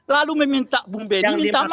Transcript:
lalu meminta bung benny minta maaf